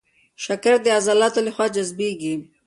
شکر د عضلاتو له خوا جذبېږي.